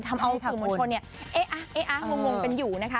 ทำเอาสื่อมวลชนเนี่ยเอ๊ะงงกันอยู่นะคะ